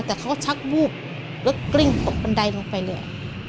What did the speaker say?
แต่เขาก็ชักวูบแล้วกริ้งตกบันไดลงไปเลย